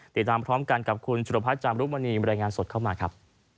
ติดตามพร้อมกันกับคุณจุรพัฒนจามรุมณีบรรยายงานสดเข้ามาครับ